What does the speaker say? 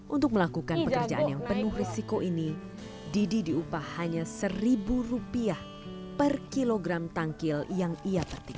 untuk melakukan pekerjaan yang penuh risiko ini didi diupah hanya seribu rupiah per kilogram tangkil yang ia petik